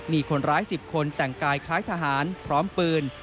มีคนร้าย๑๐คนแต่งกายคล้ายทหารพร้อมปืน